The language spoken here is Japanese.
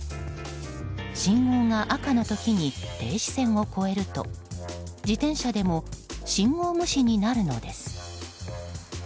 信号が赤の時に停止線を越えると自転車でも信号無視になるのです。